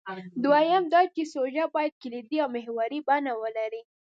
دویم دا چې سوژه باید کلیدي او محوري بڼه ولري.